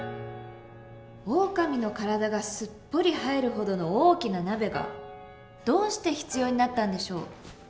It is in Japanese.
オオカミの体がすっぽり入るほどの大きな鍋がどうして必要になったんでしょう？